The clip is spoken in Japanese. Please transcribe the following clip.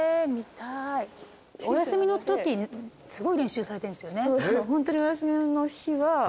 お休みのときすごい練習されてるんですよね。